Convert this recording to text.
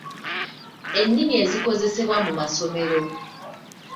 Ennimi ezikozesebwa mu masomero.